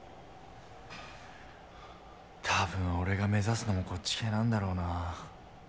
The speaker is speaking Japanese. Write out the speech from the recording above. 多分俺が目指すのもこっち系なんだろうなぁ。